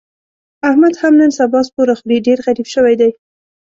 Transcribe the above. احمد هم نن سبا سپوره خوري، ډېر غریب شوی دی.